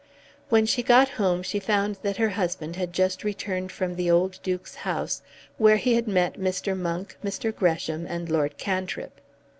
When she got home she found that her husband had just returned from the old Duke's house, where he had met Mr. Monk, Mr. Gresham, and Lord Cantrip.